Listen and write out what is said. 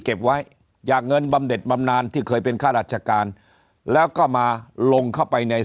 เก็บไว้จากเงินบำเด็ดบำนานที่เคยเป็นข้าราชการแล้วก็มาลงเข้าไปใน